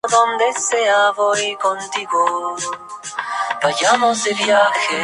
Son cuestiones institucionales importantes relacionadas con el momento político que vive el país.